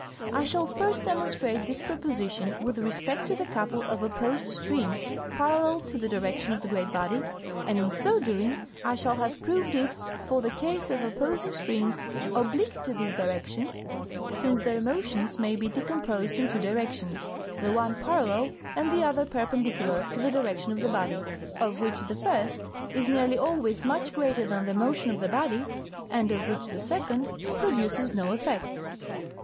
I shall first demonstrate this propo sition with respect to the couple of opposed streams parallel to the direction of the great body, and in so doing I shall have proved it for the case of opposing streams oblique to this direction, since their motions may be decomposed in two directions, the one parallel and the other perpendicular to the direction of the body, of which the first is nearly always much greater than the motion of the body, and of which the second produces no effect.